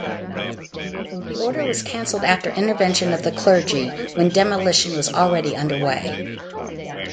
The order was cancelled after intervention of the clergy, when demolition was already underway.